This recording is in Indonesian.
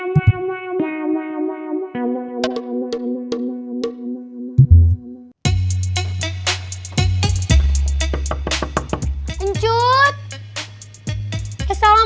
semua t quee